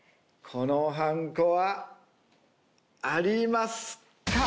このはんこはありますか？